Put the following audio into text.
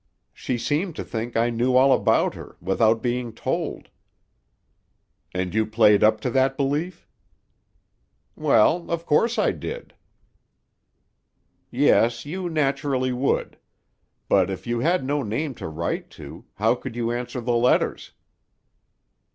She seemed to think I knew all about her, without being told." "And you played up to that belief?" "Well—of course I did." "Yes, you naturally would. But if you had no name to write to, how could you answer the letters?"